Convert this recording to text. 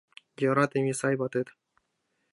Йӧратыме сай ватет.